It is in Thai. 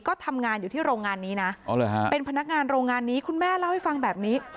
ก็ทำงานอยู่ที่โรงงานนี้นะเป็นพนักงานโรงงานนี้คุณแม่เล่าให้ฟังแบบนี้